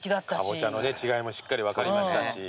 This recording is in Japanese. カボチャの違いもしっかり分かりましたし。